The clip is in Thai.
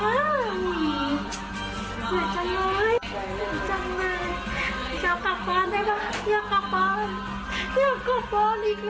อยากกลับบ้านได้ปะอยากกลับบ้านอยากกลับบ้านอีกแล้ว